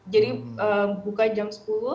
jadi buka jam sepuluh